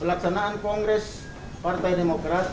pelaksanaan kongres partai demokrat